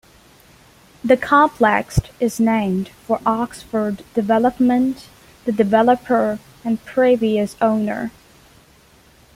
The complex is named for Oxford Development, the developer and previous owner.